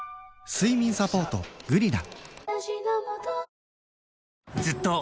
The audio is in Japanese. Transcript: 睡眠サポート「グリナ」